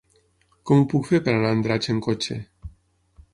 Com ho puc fer per anar a Andratx amb cotxe?